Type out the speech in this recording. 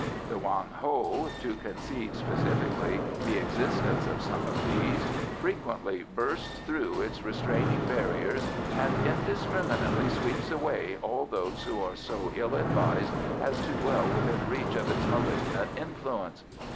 The Hoang Ho to concede specifically the existence of some of these frequently bursts through its restraining barriers and indiscriminately sweeps away all those who are so ill advised as to dwell within reach of its malignant influence.